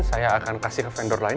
saya akan kasih ke vendor lain